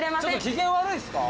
機嫌悪いっすか？